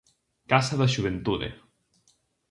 Casa da Xuventude.